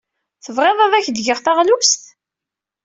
Tebɣiḍ ad ak-d-geɣ taɣlust?